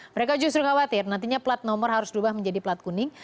mereka justru khawatir nantinya plat nomor harus berubah menjadi plat kuning